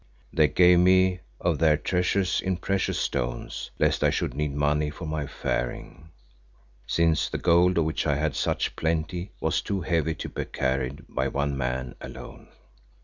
They gave me of their treasures in precious stones, lest I should need money for my faring, since the gold of which I had such plenty was too heavy to be carried by one man alone.